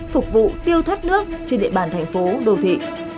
phục vụ tiêu thoát nước trên địa bàn thành phố đô thị